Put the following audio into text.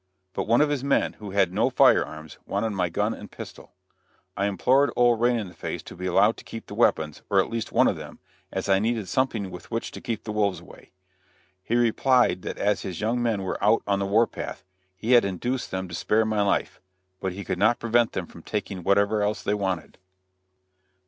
But one of his men, who had no fire arms, wanted my gun and pistol. I implored old Rain in the Face to be allowed to keep the weapons, or at least one of them, as I needed something with which to keep the wolves away. He replied that as his young men were out on the war path, he had induced them to spare my life; but he could not prevent them from taking what ever else they wanted.